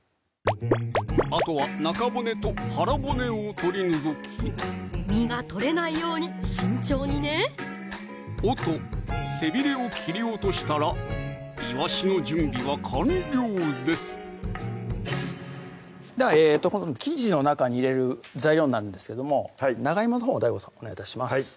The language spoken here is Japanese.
あとは中骨と腹骨を取り除き身が取れないように慎重にね尾と背びれを切り落としたらいわしの準備は完了ですでは生地の中に入れる材料になるんですけども長いものほうＤＡＩＧＯさんお願い致します